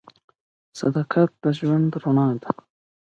• صداقت د ژوند رڼا ده.